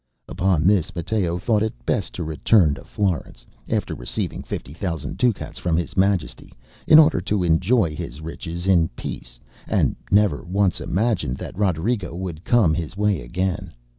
ŌĆØ Upon this Matteo thought it best to return to Florence, after receiving fifty thousand ducats from his majesty, in order to enjoy his riches in peace, and never once imagined that Roderigo would come in his way again.